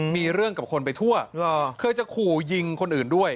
มีเรื่องกับคนไปทั่วเคยจะขู่ยิงคนอื่นด้วย